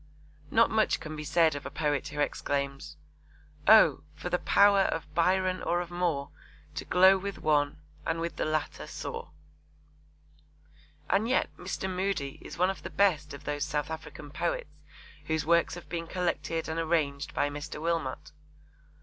Not much can be said of a poet who exclaims: Oh, for the power of Byron or of Moore, To glow with one, and with the latter soar. And yet Mr. Moodie is one of the best of those South African poets whose works have been collected and arranged by Mr. Wilmot.